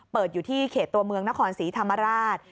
อยู่ที่เขตตัวเมืองนครศรีธรรมราช